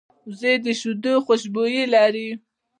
وزې د شیدو خوشبويي لري